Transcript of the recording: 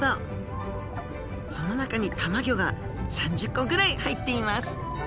その中に卵が３０個ぐらい入っています